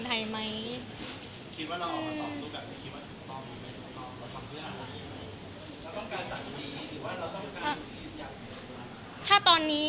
ถ้าน่าตอนเนี้ย